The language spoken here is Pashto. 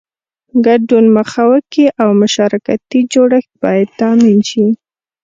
ګډون مخوکی او مشارکتي جوړښت باید تامین شي.